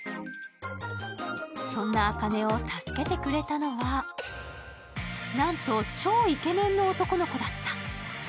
そんな茜を助けてくれたのは、なんと、超イケメンの男の子だった。